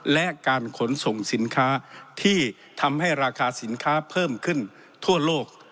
และการขนส่งสินค้าที่ทำให้ราคาสินค้าเพิ่มขึ้นทั่วโลก